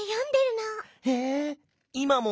へえいまも？